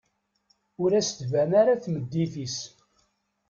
Ur as-tban ara tmeddit-is.